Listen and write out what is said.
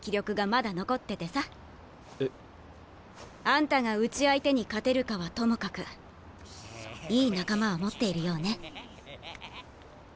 あんたがうち相手に勝てるかはともかくいい仲間は持っているようね。